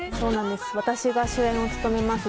私が主演を務めます